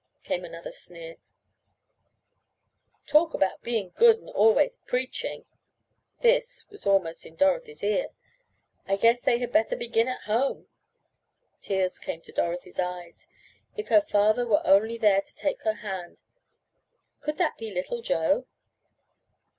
came another sneer, "talk about being good and always preaching." This, was almost in Dorothy's ear. "I guess they had better begin at home!" Tears came to Dorothy's eyes. If her father were only there to take her hand could that be little Joe?